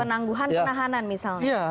penangguhan penahanan misalnya